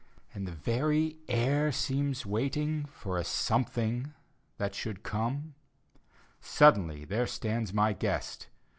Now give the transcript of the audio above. And the very air seems waiting For a Something that should come — Suddenly, there stands my guest.